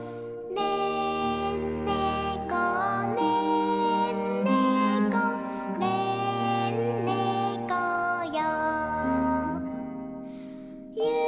「ねんねこねんねこねんねこよ」